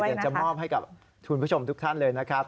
เดี๋ยวจะมอบให้กับคุณผู้ชมทุกท่านเลยนะครับ